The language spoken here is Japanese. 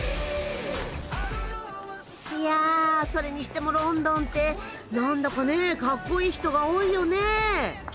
いやそれにしてもロンドンって何だかねかっこいい人が多いよね。